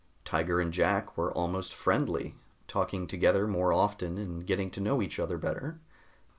Tiger and Jack were almost friendly, talking together more often and getting to know each other better.